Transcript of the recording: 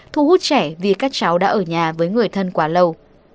thu hút trẻ vì các cháu đã ở nhà với người thân quá lâu